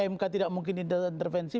mk tidak mungkin mengintervensi